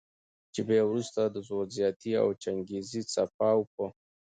چې بیا وروسته د زور زیاتی او چنګیزي څپاو په